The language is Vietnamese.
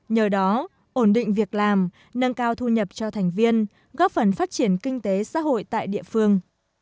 nhờ đó ổn định việc làm nâng cao thu nhập cho thành viên góp phần phát triển kinh tế xã hội tại địa phương